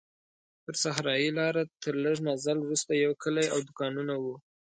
پر صحرایي لاره تر لږ مزل وروسته یو کلی او دوکانونه وو.